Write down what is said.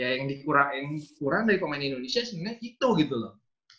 yang dikurang dari pemain indonesia sebenarnya itu gitu loh